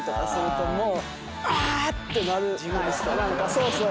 そうそう。